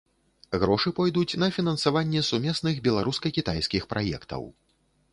Грошы пойдуць на фінансаванне сумесных беларуска-кітайскіх праектаў.